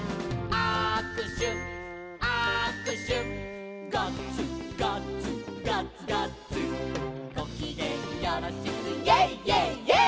「あくしゅあくしゅ」「ガッツガッツガッツガッツ」「ごきげんよろしくイェイイェイイェイ！」